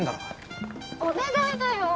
お願いだよ。